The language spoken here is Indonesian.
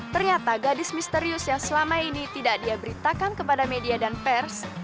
ternyata gadis misterius yang selama ini tidak dia beritakan kepada media dan pers